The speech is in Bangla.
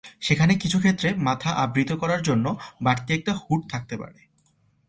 সেখানে কিছু ক্ষেত্রে মাথা আবৃত করার জন্য বাড়তি একটা হুড থাকতে পারে।